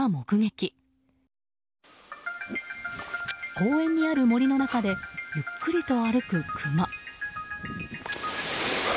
公園にある森の中でゆっくりと歩くクマ。